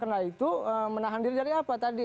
karena itu menahan diri dari apa tadi